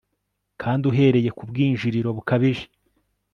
Kandi uhereye ku bwinjiriro bukabije